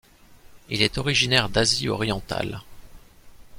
Il est originaire d'Asie orientale.